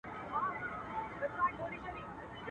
وايي تبلیغ دی د کافرانو..